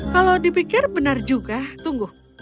kalau dipikir benar juga tunggu